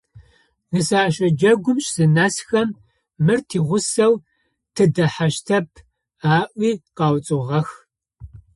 Нысэщэ джэгум зынэсхэм, «Мыр тигъусэу тыдэхьащтэп», - аӏуи къэуцугъэх.